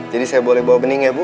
jadi saya boleh bawa bening ya bu